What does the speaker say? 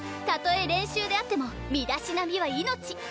たとえ練習であっても身だしなみは命！